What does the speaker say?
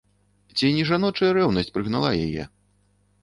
Ці не жаночая рэўнасць прыгнала яе?